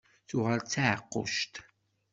Yuɣal d taɛeqquct.